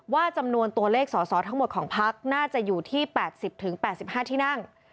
ว่าจำนวนตัวเลขสอสอทั้งหมดของพักน่าจะอยู่ที่๘๐๘๕ที่นั่ง